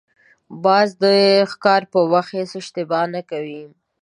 باز د ښکار په وخت هېڅ اشتباه نه کوي